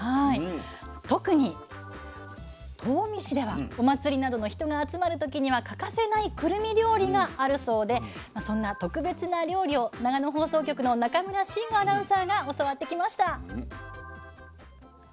特に東御市ではお祭りなどの人が集まる時には欠かせないくるみ料理があるそうでそんな特別な料理を長野放送局の中村慎吾アナウンサーが教わってきました。